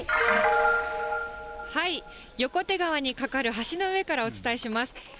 中島さん、横手川に架かる橋の上からお伝えします。